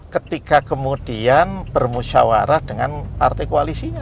ketika kemudian bermusyawarah dengan partai koalisinya